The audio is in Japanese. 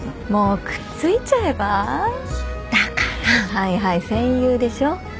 はいはい戦友でしょ？